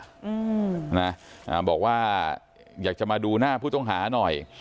อืมนะอ่าบอกว่าอยากจะมาดูหน้าผู้ต้องหาหน่อย